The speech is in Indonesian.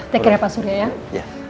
take care ya pak surya ya